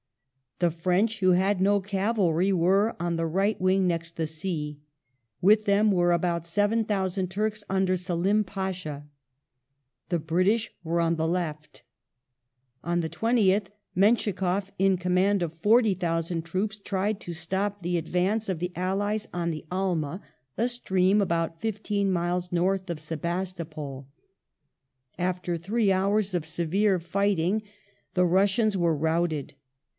The French who had no cavalry were on the right wing next the sea ; with them were about 7,000 Turks under Selim Pasha ; the British were on the left. On the 20th MenschikofF in command of 40,000 troops tried to stop the advance of the allies on the Alma — a stream about Battle of fifteen miles north of Sebastopol. After three hours of severe ^"^^ fighting the Russians were routed.